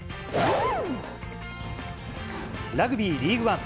ラグビーリーグワン。